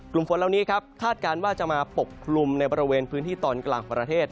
กลุ่มฝนเหล่านี้ครับคาดการณ์ว่าจะมาปกคลุมในบริเวณพื้นที่ตอนกลางของประเทศ